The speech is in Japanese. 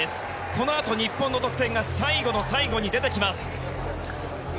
このあと日本の得点が最後の最後に出てきます。